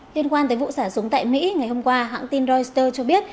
liên quan tới vụ xả súng tại mỹ ngày hôm qua hãng tin reuters cho biết